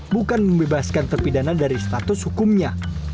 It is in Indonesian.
bukan membebaskan terpidana dari status hukumnya